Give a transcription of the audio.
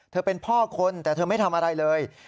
เป็นพ่อคนแต่เธอไม่ทำอะไรเลย